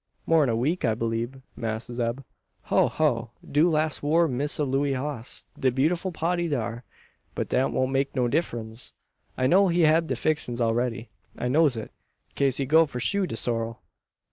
"More'n a week I blieb, Mass' Zeb. Ho ho! Do last war Missa Looey hoss de beautiful 'potty dar. But dat won't make no differens. I know he hab de fixins all ready. I knows it, kase he go for shoe de sorrel.